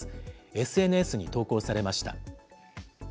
ＳＮＳに投稿されました。